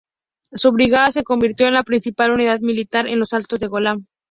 Su brigada se convirtió en la principal unidad militar en los Altos del Golán.